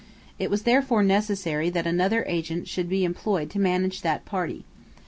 It was therefore necessary that another agent should be employed to manage that party.